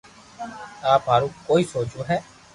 آپ ھارو ڪوئي سوچوو ھي